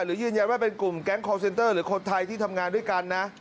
หรือยืนยันว่าเป็นกลุ่มแก๊งคอร์เซ็นเตอร์หรือคนไทยที่ทำงานด้วยกันนะ